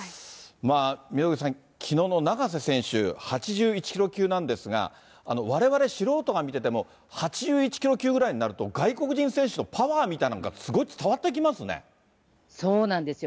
溝口さん、きのうの永瀬選手、８１キロ級なんですが、われわれ素人が見てても、８１キロ級ぐらいになると、外国人選手のパワーみたいなものが、そうなんですよ。